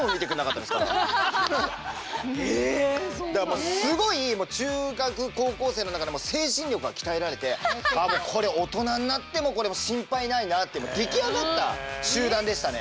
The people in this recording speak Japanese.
だからもうすごい中学高校生の中でもう精神力が鍛えられてああもうこれ大人になってもこれもう心配ないなあって出来上がった集団でしたね。